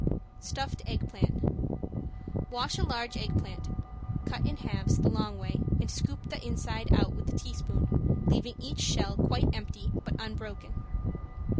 ~STUFFED EGG PLANT~ Wash a large egg plant, cut in halves the long way and scoop the inside out with a teaspoon, leaving each shell quite empty, but unbroken.